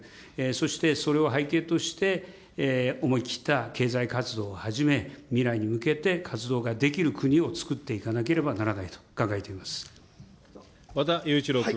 そしてそれを背景として、思い切った経済活動をはじめ、未来に向けて活動ができる国をつくっていかなければならないと考和田有一朗君。